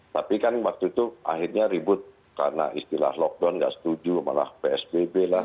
tapi kan waktu itu akhirnya ribut karena istilah lockdown nggak setuju malah psbb lah